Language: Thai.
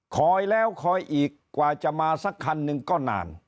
คอยแล้วคอยอีกกว่าจะมาสักคันหนึ่งก็นาน